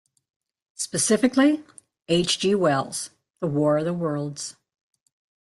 Specifically, H. G. Wells' "The War of the Worlds".